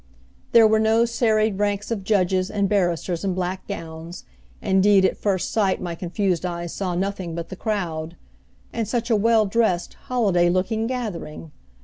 There were no serried ranks of judges and barristers in black gowns, indeed at first sight my confused eyes saw nothing but the crowd. And such a well dressed, holiday looking gathering!